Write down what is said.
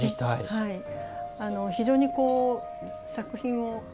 非常にこう作品を。